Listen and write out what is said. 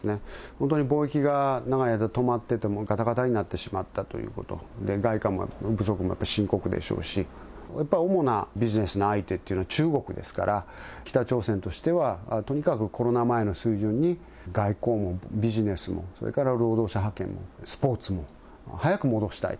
本当に貿易が長い間止まってて、がたがたになってしまったということも、外貨不足も深刻でしょうし、やっぱ主なビジネスの相手というのは中国ですから、北朝鮮としてはとにかくコロナ前の水準に外交も、ビジネスも、それから労働者派遣もスポーツも、早く戻したい。